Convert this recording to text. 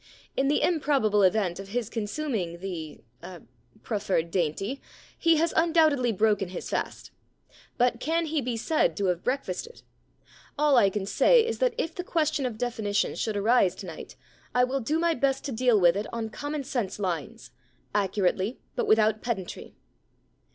In the improbable event of his consuming the — er — proffered dainty, he has undoubtedly broken his fast. But can he be said to have breakfasted ? All I can say is that if the question of definition should arise to night I will do my best to deal with it on common sense lines, accurately but without pedantry.'